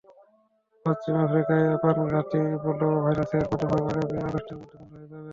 পশ্চিম আফ্রিকায় প্রাণঘাতী ইবোলা ভাইরাসের প্রাদুর্ভাব আগামী আগস্টের মধ্যেই বন্ধ হয়ে যাবে।